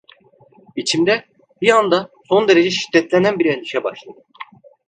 İçimde, bir anda son derece şiddetlenen bir endişe başladı.